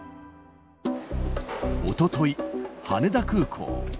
おととい、羽田空港。